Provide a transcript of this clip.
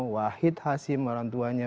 wahid hasim orang tuanya